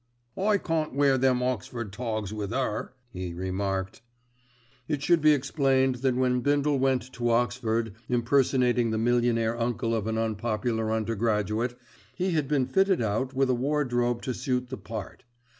"I can't wear them Oxford togs with 'er," he remarked. It should be explained that when Bindle went to Oxford, impersonating the millionaire uncle of an unpopular undergraduate, he had been fitted out with a wardrobe to suit the part.